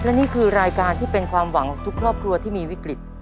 และนี่คือรายการที่เป็นความหวังของทุกครอบครัวที่มีวิกฤต